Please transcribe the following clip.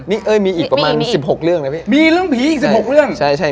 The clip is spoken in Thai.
นี่เอ้ยมีอีกประมาณ๑๖เรื่องนะพี่